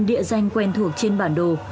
địa danh quen thuộc trên bản đồ